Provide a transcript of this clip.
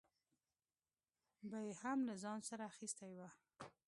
به یې هم له ځان سره اخیستې وه.